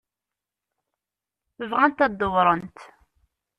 Bɣant ad dewwṛent.